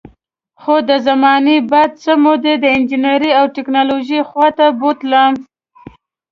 خو د زمانې باد څه موده د انجینرۍ او ټیکنالوژۍ خوا ته بوتلم